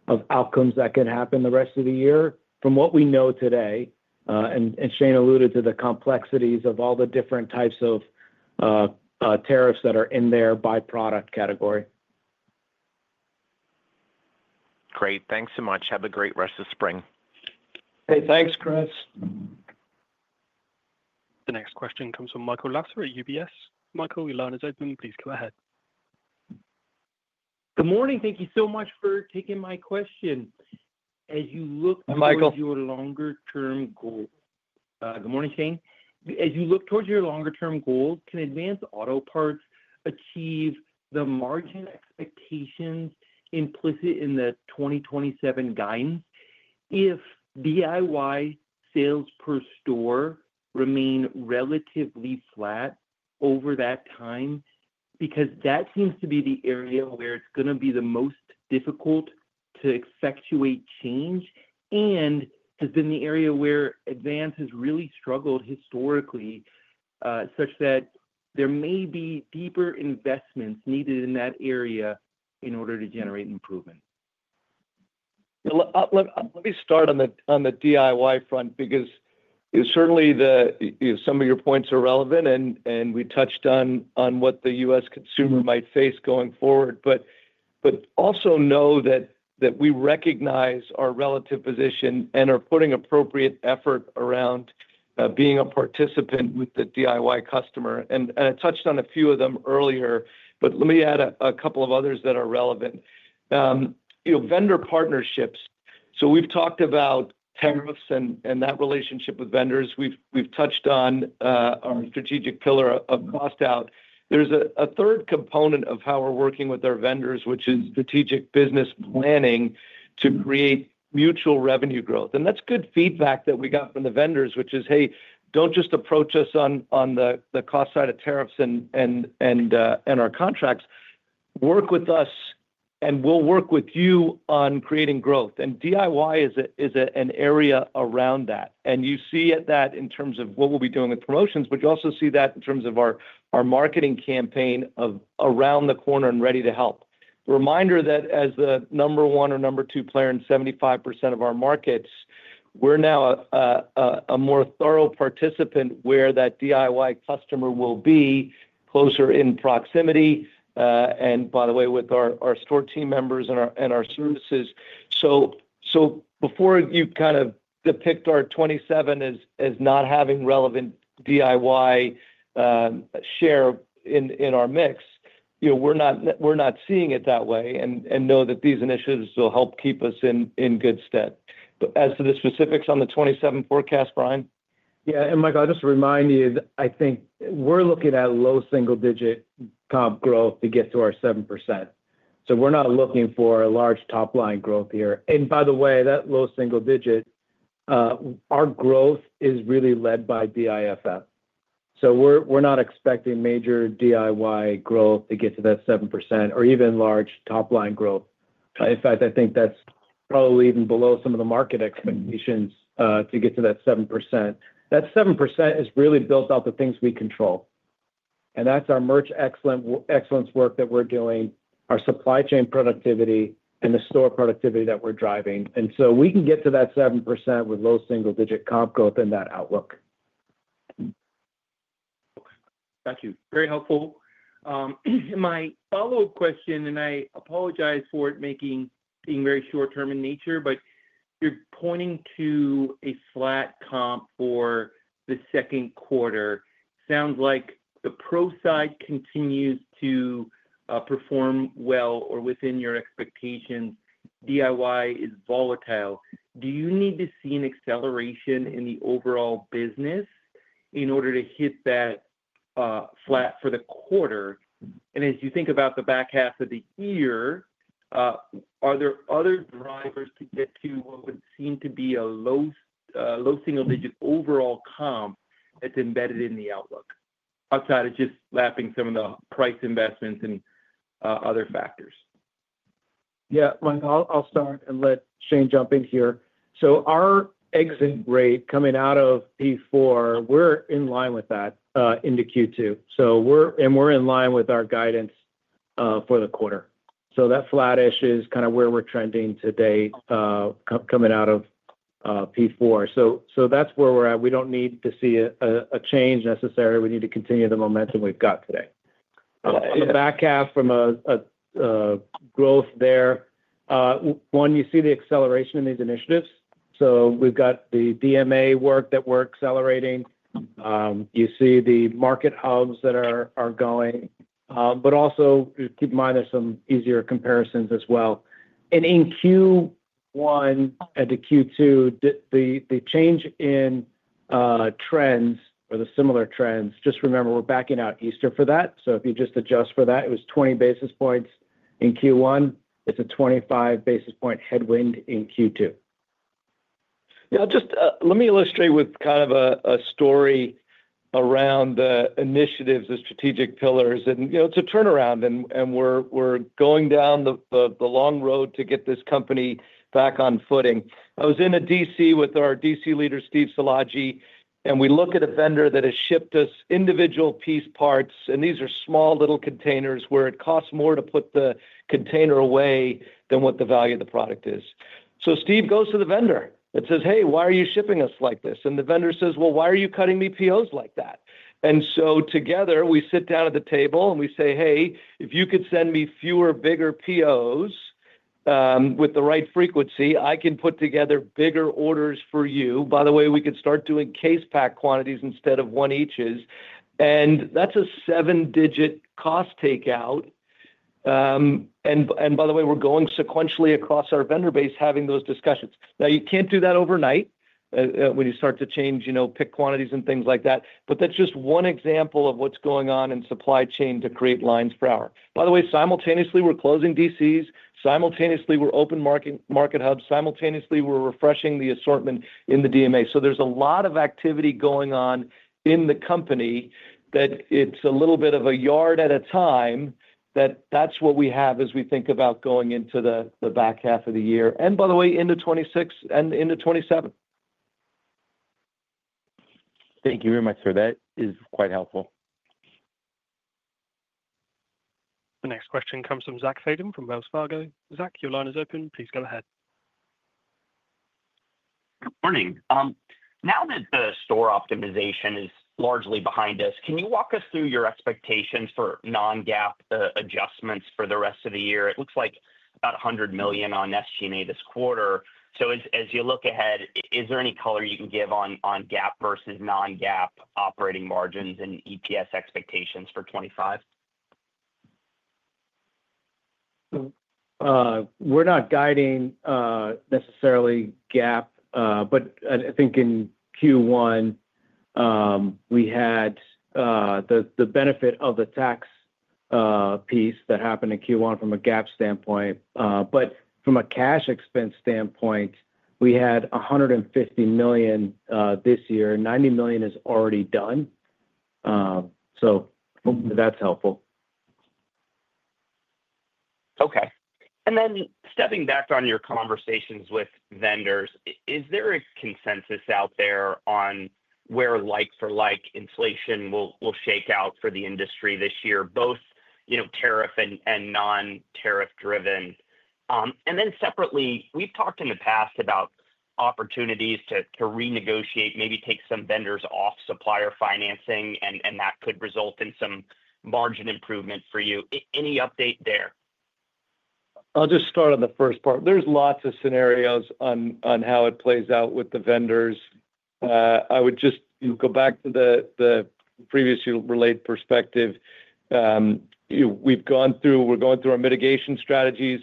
of outcomes that can happen the rest of the year from what we know today. Shane alluded to the complexities of all the different types of tariffs that are in their byproduct category.
Great. Thanks so much. Have a great rest of spring.
Hey, thanks, Chris.
The next question comes from Michael Lasser at UBS. Michael, we'll learn as admin. Please go ahead.
Good morning. Thank you so much for taking my question. As you look towards your longer-term goal, good morning, Shane. As you look towards your longer-term goal, can Advance Auto Parts achieve the margin expectations implicit in the 2027 guidance if DIY sales per store remain relatively flat over that time? That seems to be the area where it's going to be the most difficult to effectuate change and has been the area where Advance has really struggled historically such that there may be deeper investments needed in that area in order to generate improvement.
Let me start on the DIY front because certainly some of your points are relevant, and we touched on what the U.S. consumer might face going forward. Also know that we recognize our relative position and are putting appropriate effort around being a participant with the DIY customer. I touched on a few of them earlier, but let me add a couple of others that are relevant. Vendor partnerships. We have talked about tariffs and that relationship with vendors. We have touched on our strategic pillar of bust out. There is a third component of how we are working with our vendors, which is strategic business planning to create mutual revenue growth. That is good feedback that we got from the vendors, which is, "Hey, do not just approach us on the cost side of tariffs and our contracts. Work with us, and we will work with you on creating growth." DIY is an area around that. You see that in terms of what we will be doing with promotions, but you also see that in terms of our marketing campaign around the corner and ready to help. Reminder that as the number one or number two player in 75% of our markets, we are now a more thorough participant where that DIY customer will be closer in proximity. By the way, with our store team members and our services. Before you kind of depict our 2027 as not having relevant DIY share in our mix, we're not seeing it that way and know that these initiatives will help keep us in good stead. As to the specifics on the 2027 forecast, Brian?
Yeah. Michael, I'll just remind you, I think we're looking at low single-digit comp growth to get to our 7%. We're not looking for a large top-line growth here. By the way, that low single-digit growth is really led by DIFM. We're not expecting major DIY growth to get to that 7% or even large top-line growth. In fact, I think that's probably even below some of the market expectations to get to that 7%. That 7% is really built out of the things we control. That is our merch excellence work that we are doing, our supply chain productivity, and the store productivity that we are driving. We can get to that 7% with low single-digit comp growth in that outlook.
Thank you. Very helpful. My follow-up question, and I apologize for it being very short-term in nature, but you are pointing to a flat comp for the second quarter. Sounds like the pro side continues to perform well or within your expectations. DIY is volatile. Do you need to see an acceleration in the overall business in order to hit that flat for the quarter? As you think about the back half of the year, are there other drivers to get to what would seem to be a low single-digit overall comp that is embedded in the outlook outside of just lapping some of the price investments and other factors?
Yeah. Michael, I'll start and let Shane jump in here. Our exit rate coming out of P4, we're in line with that into Q2. We're in line with our guidance for the quarter. That flat issue is kind of where we're trending today coming out of P4. That's where we're at. We don't need to see a change necessarily. We need to continue the momentum we've got today. On the back half from a growth there, one, you see the acceleration in these initiatives. We've got the DMA work that we're accelerating. You see the market hubs that are going. Also, keep in mind, there's some easier comparisons as well. In Q1 and to Q2, the change in trends or the similar trends, just remember we're backing out Easter for that. If you just adjust for that, it was 20 basis points in Q1. It's a 25 basis point headwind in Q2.
Yeah. Let me illustrate with kind of a story around the initiatives, the strategic pillars. It's a turnaround, and we're going down the long road to get this company back on footing. I was in a DC with our DC leader, Steve Szilagyi, and we look at a vendor that has shipped us individual piece parts. These are small little containers where it costs more to put the container away than what the value of the product is. Steve goes to the vendor and says, "Hey, why are you shipping us like this?" The vendor says, "Well, why are you cutting me POs like that?" Together, we sit down at the table and we say, "Hey, if you could send me fewer bigger POs with the right frequency, I can put together bigger orders for you." By the way, we could start doing case pack quantities instead of one eaches. That is a seven-digit cost takeout. By the way, we are going sequentially across our vendor base having those discussions. You cannot do that overnight when you start to change pick quantities and things like that. That is just one example of what is going on in supply chain to create lines per hour. By the way, simultaneously, we are closing DCs. Simultaneously, we are open market hubs. Simultaneously, we are refreshing the assortment in the DMA. There is a lot of activity going on in the company that it's a little bit of a yard at a time. That is what we have as we think about going into the back half of the year. By the way, into 2026 and into 2027.
Thank you very much, sir. That is quite helpful.
The next question comes from Zach Fadem from Wells Fargo. Zach, your line is open. Please go ahead.
Good morning. Now that the store optimization is largely behind us, can you walk us through your expectations for non-GAAP adjustments for the rest of the year? It looks like about $100 million on SG&A this quarter. As you look ahead, is there any color you can give on GAAP versus non-GAAP operating margins and EPS expectations for 2025?
We're not guiding necessarily GAAP, but I think in Q1, we had the benefit of the tax piece that happened in Q1 from a GAAP standpoint. From a cash expense standpoint, we had $150 million this year. $90 million is already done. That's helpful.
Okay. Stepping back on your conversations with vendors, is there a consensus out there on where like-for-like inflation will shake out for the industry this year, both tariff and non-tariff-driven? Separately, we've talked in the past about opportunities to renegotiate, maybe take some vendors off supplier financing, and that could result in some margin improvement for you. Any update there?
I'll just start on the first part. There's lots of scenarios on how it plays out with the vendors. I would just go back to the previously relayed perspective. We've gone through, we're going through our mitigation strategies.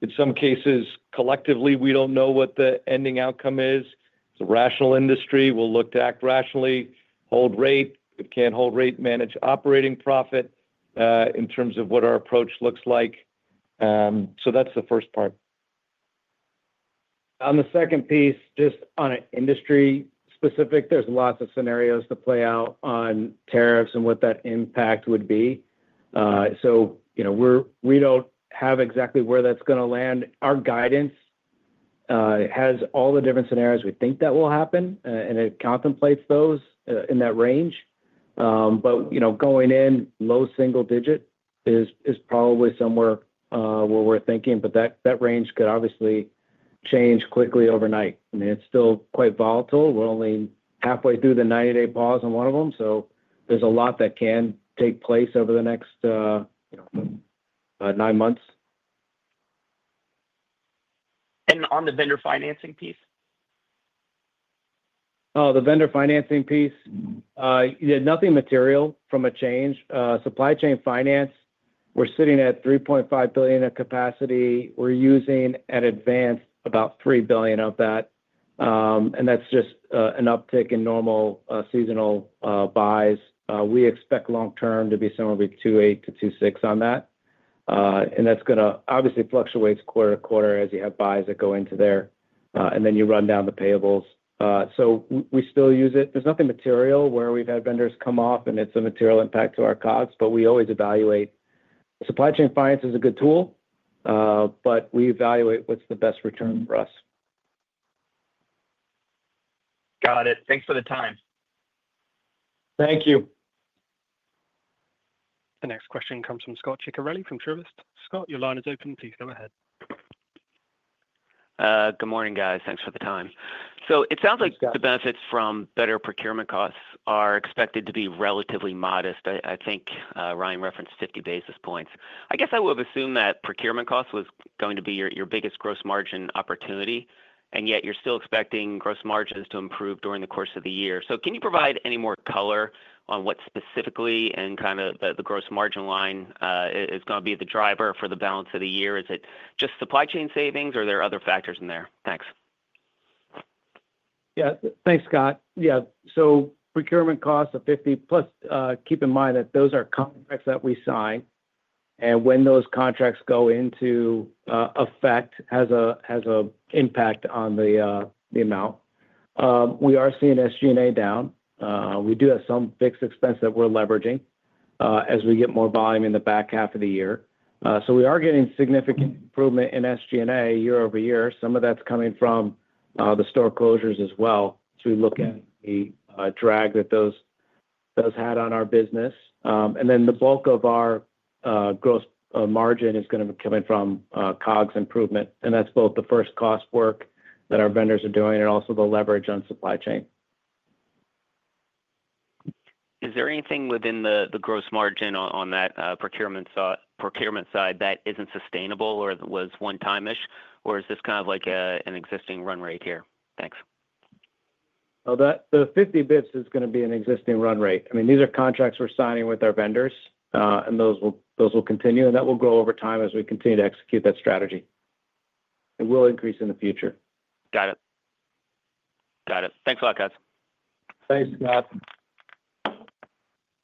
In some cases, collectively, we don't know what the ending outcome is. It's a rational industry. We'll look to act rationally, hold rate, can't hold rate, manage operating profit in terms of what our approach looks like. That's the first part.
On the second piece, just on an industry specific, there's lots of scenarios to play out on tariffs and what that impact would be. We don't have exactly where that's going to land. Our guidance has all the different scenarios we think that will happen, and it contemplates those in that range. Going in, low single digit is probably somewhere where we're thinking, but that range could obviously change quickly overnight. I mean, it's still quite volatile. We're only halfway through the 90-day pause on one of them. There's a lot that can take place over the next nine months.
On the vendor financing piece?
Oh, the vendor financing piece, nothing material from a change. Supply chain finance, we're sitting at $3.5 billion of capacity. We're using at Advance about $3 billion of that. That's just an uptick in normal seasonal buys. We expect long-term to be somewhere between $2.8 billion-$2.6 billion on that. That's going to obviously fluctuate quarter to quarter as you have buys that go into there, and then you run down the payables. We still use it. There's nothing material where we've had vendors come off, and it's a material impact to our costs, but we always evaluate. Supply chain finance is a good tool, but we evaluate what's the best return for us.
Got it. Thanks for the time.
Thank you.
The next question comes from Scot Ciccarelli from Truist. Scott, your line is open. Please go ahead. Good morning, guys.
Thanks for the time. It sounds like the benefits from better procurement costs are expected to be relatively modest. I think Ryan referenced 50 basis points. I guess I would have assumed that procurement costs was going to be your biggest gross margin opportunity, and yet you're still expecting gross margins to improve during the course of the year. Can you provide any more color on what specifically and kind of the gross margin line is going to be the driver for the balance of the year? Is it just supply chain savings, or are there other factors in there? Thanks.
Yeah. Thanks, Scot. Yeah. Procurement costs of 50, plus keep in mind that those are contracts that we sign, and when those contracts go into effect has an impact on the amount. We are seeing SG&A down. We do have some fixed expense that we're leveraging as we get more volume in the back half of the year. We are getting significant improvement in SG&A year over year. Some of that's coming from the store closures as well. We look at the drag that those had on our business. The bulk of our gross margin is going to be coming from COGS improvement. That's both the first cost work that our vendors are doing and also the leverage on supply chain.
Is there anything within the gross margin on that procurement side that isn't sustainable or was one-time-ish, or is this kind of like an existing run rate here? Thanks.
The 50 basis points is going to be an existing run rate.
I mean, these are contracts we're signing with our vendors, and those will continue, and that will go over time as we continue to execute that strategy. It will increase in the future.
Got it. Got it. Thanks a lot, guys.
Thanks, Scott.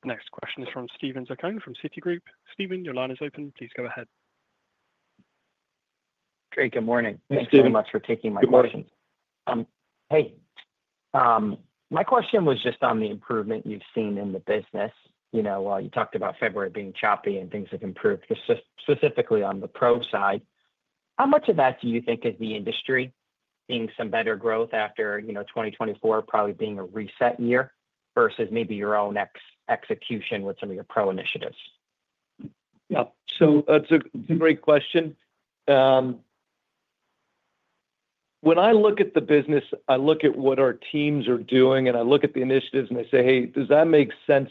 Next question is from Steven Zaccone from Citi Group. Steven, your line is open. Please go ahead.
Great. Good morning. Thank you so much for taking my questions. Hey, my question was just on the improvement you've seen in the business. You talked about February being choppy and things have improved, specifically on the pro side. How much of that do you think is the industry seeing some better growth after 2024, probably being a reset year versus maybe your own execution with some of your pro initiatives?
Yeah. That's a great question. When I look at the business, I look at what our teams are doing, and I look at the initiatives and I say, "Hey, does that make sense?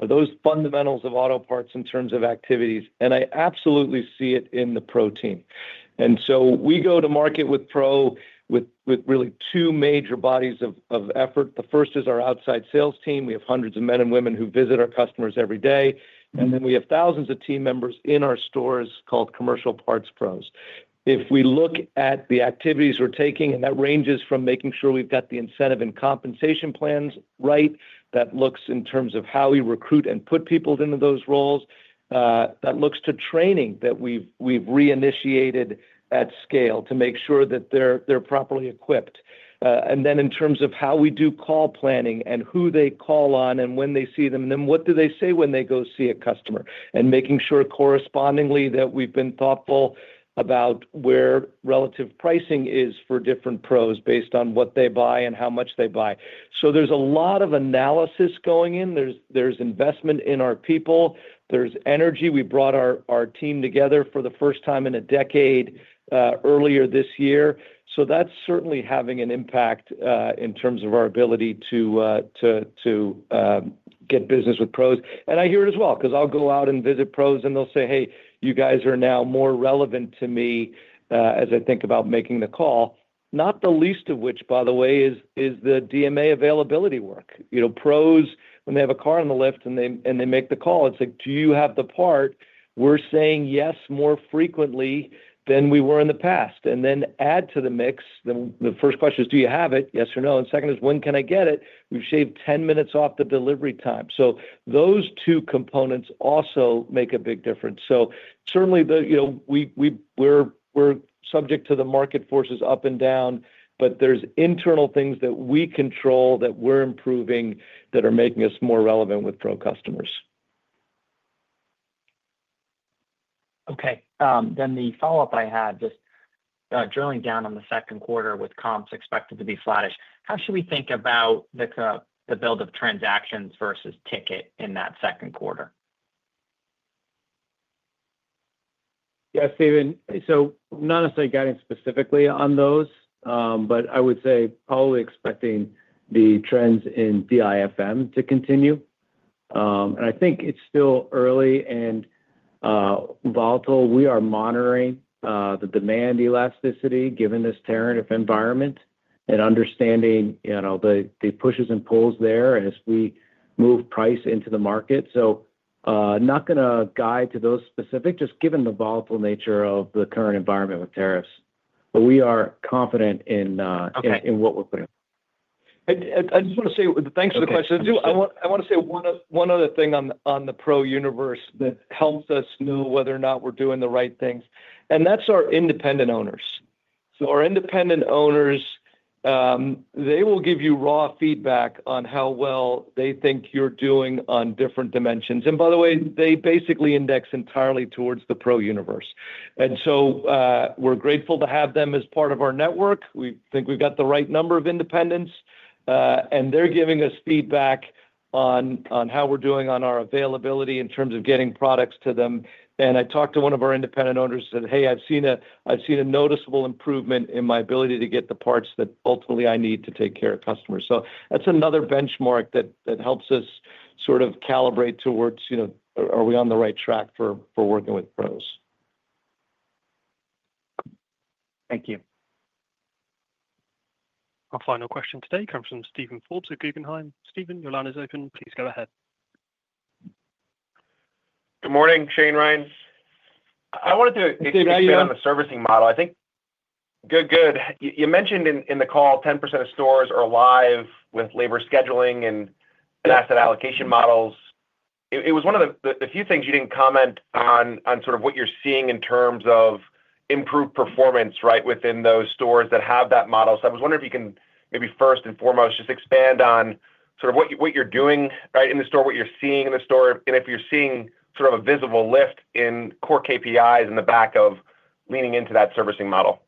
Are those fundamentals of auto parts in terms of activities?" I absolutely see it in the pro team. We go to market with pro with really two major bodies of effort. The first is our outside sales team. We have hundreds of men and women who visit our customers every day. We have thousands of team members in our stores called commercial parts pros. If we look at the activities we're taking, that ranges from making sure we've got the incentive and compensation plans right, that looks in terms of how we recruit and put people into those roles, that looks to training that we've reinitiated at scale to make sure that they're properly equipped. In terms of how we do call planning and who they call on and when they see them, and then what do they say when they go see a customer, and making sure correspondingly that we've been thoughtful about where relative pricing is for different pros based on what they buy and how much they buy. There is a lot of analysis going in. There is investment in our people. There is energy. We brought our team together for the first time in a decade earlier this year. That is certainly having an impact in terms of our ability to get business with pros. I hear it as well because I will go out and visit pros, and they will say, "Hey, you guys are now more relevant to me as I think about making the call." Not the least of which, by the way, is the DMA availability work. Pros, when they have a car in the lift and they make the call, it's like, "Do you have the part?" We're saying yes more frequently than we were in the past. Add to the mix, the first question is, "Do you have it? Yes or no?" The second is, "When can I get it?" We've shaved 10 minutes off the delivery time. Those two components also make a big difference. Certainly, we're subject to the market forces up and down, but there are internal things that we control that we're improving that are making us more relevant with pro customers.
Okay. The follow-up I had, just drilling down on the second quarter with comps expected to be slottish. How should we think about the build of transactions versus ticket in that second quarter?
Yeah, Steven. Not necessarily guidance specifically on those, but I would say probably expecting the trends in DIFM to continue. I think it's still early and volatile. We are monitoring the demand elasticity given this tariff environment and understanding the pushes and pulls there as we move price into the market. Not going to guide to those specific, just given the volatile nature of the current environment with tariffs. We are confident in what we're putting out.
I just want to say thanks for the question. I want to say one other thing on the pro universe that helps us know whether or not we're doing the right things. That's our independent owners. Our independent owners, they will give you raw feedback on how well they think you're doing on different dimensions. By the way, they basically index entirely towards the pro universe. We're grateful to have them as part of our network. We think we've got the right number of independents. They're giving us feedback on how we're doing on our availability in terms of getting products to them. I talked to one of our independent owners and said, "Hey, I've seen a noticeable improvement in my ability to get the parts that ultimately I need to take care of customers." That's another benchmark that helps us sort of calibrate towards, are we on the right track for working with pros?
Thank you.
Our final question today comes from Steven Forbes at Guggenheim. Steven, your line is open. Please go ahead.
Good morning, Shane, Ryan. I wanted to expand on the servicing model. I think. Good, good. You mentioned in the call, 10% of stores are live with labor scheduling and asset allocation models. It was one of the few things you did not comment on, sort of what you are seeing in terms of improved performance, right, within those stores that have that model. I was wondering if you can maybe first and foremost just expand on sort of what you are doing, right, in the store, what you are seeing in the store, and if you are seeing sort of a visible lift in core KPIs in the back of leaning into that servicing model.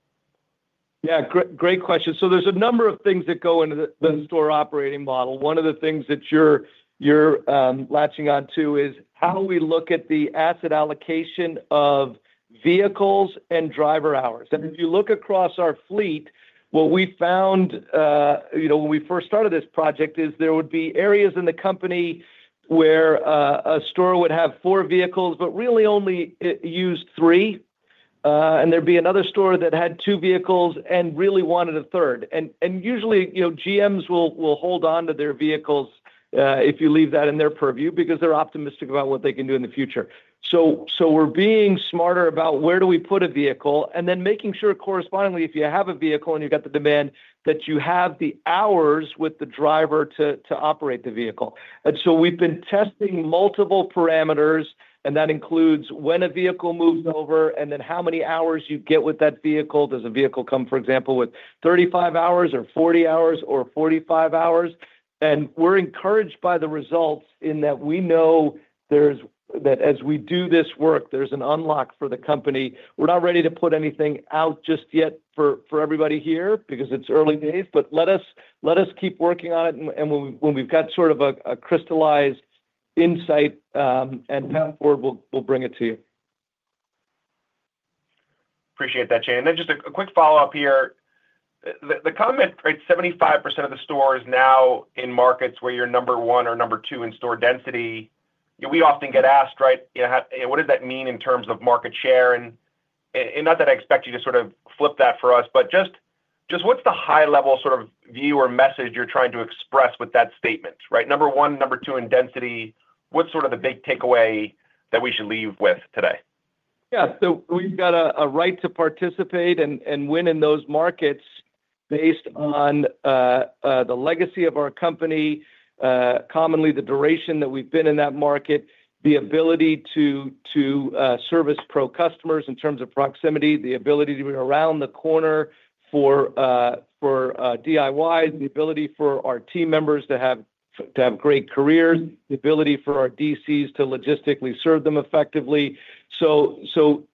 Yeah, great question. There is a number of things that go into the store operating model. One of the things that you are latching on to is how we look at the asset allocation of vehicles and driver hours. If you look across our fleet, what we found when we first started this project is there would be areas in the company where a store would have four vehicles, but really only use three. There would be another store that had two vehicles and really wanted a third. Usually, GMs will hold on to their vehicles if you leave that in their purview because they're optimistic about what they can do in the future. We're being smarter about where we put a vehicle and then making sure correspondingly, if you have a vehicle and you've got the demand, that you have the hours with the driver to operate the vehicle. We've been testing multiple parameters, and that includes when a vehicle moves over and then how many hours you get with that vehicle. Does a vehicle come, for example, with 35 hours or 40 hours or 45 hours? We're encouraged by the results in that we know that as we do this work, there's an unlock for the company. We're not ready to put anything out just yet for everybody here because it's early days, but let us keep working on it. When we've got sort of a crystallized insight and path forward, we'll bring it to you.
Appreciate that, Shane. Just a quick follow-up here. The comment, right, 75% of the stores now in markets where you're number one or number two in store density, we often get asked, right, what does that mean in terms of market share? Not that I expect you to sort of flip that for us, but just what's the high-level sort of view or message you're trying to express with that statement, right? Number one, number two in density, what's sort of the big takeaway that we should leave with today?
Yeah. We've got a right to participate and win in those markets based on the legacy of our company, commonly the duration that we've been in that market, the ability to service pro customers in terms of proximity, the ability to be around the corner for DIYs, the ability for our team members to have great careers, the ability for our DCs to logistically serve them effectively.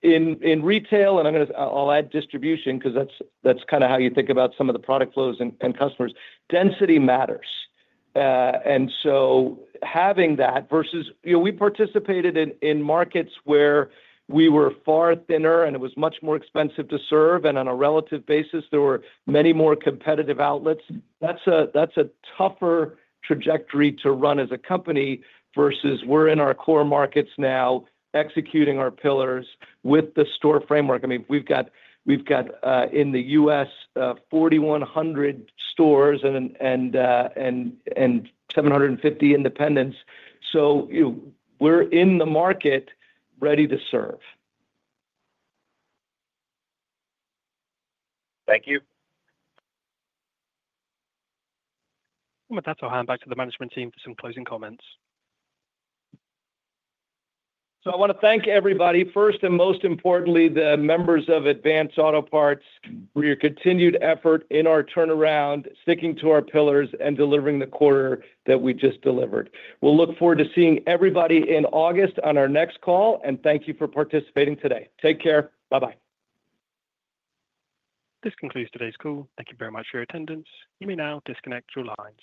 In retail, and I'll add distribution because that's kind of how you think about some of the product flows and customers, density matters. Having that versus we participated in markets where we were far thinner and it was much more expensive to serve, and on a relative basis, there were many more competitive outlets. That is a tougher trajectory to run as a company versus we are in our core markets now executing our pillars with the store framework. I mean, we have in the U.S. 4,100 stores and 750 independents. We are in the market ready to serve.
Thank you.
That is all. Hand back to the management team for some closing comments.
I want to thank everybody. First and most importantly, the members of Advance Auto Parts for your continued effort in our turnaround, sticking to our pillars and delivering the quarter that we just delivered. We will look forward to seeing everybody in August on our next call, and thank you for participating today. Take care. Bye-bye.
This concludes today's call. Thank you very much for your attendance. You may now disconnect your line.